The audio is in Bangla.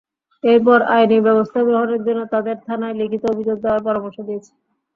এরপর আইনি ব্যবস্থা গ্রহণের জন্য তাঁদের থানায় লিখিত অভিযোগ দেওয়ার পরামর্শ দিয়েছি।